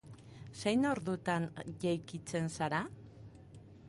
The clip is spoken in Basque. Zein ordutan jaikitzen zara?